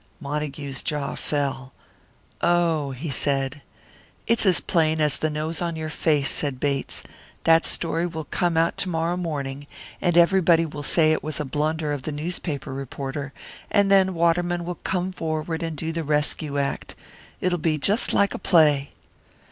Montague's jaw fell. "Oh!" he said. "It's as plain as the nose on your face," said Bates. "That story will come out to morrow morning, and everybody will say it was the blunder of a newspaper reporter; and then Waterman will come forward and do the rescue act. It'll be just like a play."